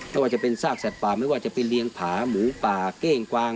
ไม่ว่าจะเป็นซากสัตว์ป่าไม่ว่าจะไปเลี้ยงผาหมูป่าเก้งกวาง